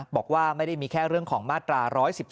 บอกว่าไม่ได้มีแค่เรื่องของมาตรา๑๑๒